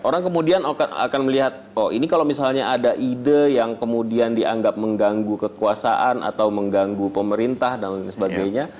orang kemudian akan melihat oh ini kalau misalnya ada ide yang kemudian dianggap mengganggu kekuasaan atau mengganggu pemerintah dan lain sebagainya